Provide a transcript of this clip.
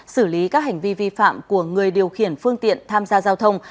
xử lý các hành vi vi phạm của người điều khiển phương tiện tham gia giao thông